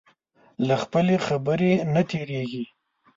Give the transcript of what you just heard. له خپلې خبرې نه تېرېږي.